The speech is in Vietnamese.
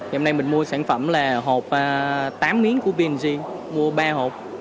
hôm nay mình mua sản phẩm là hộp tám miếng của p g mua ba hộp